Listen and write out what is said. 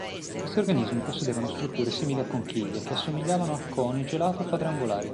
Questi organismi possedevano strutture simili a conchiglie che assomigliavano a coni gelato quadrangolari.